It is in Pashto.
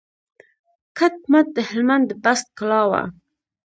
کټ مټ د هلمند د بست کلا وه.